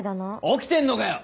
起きてんのかよ！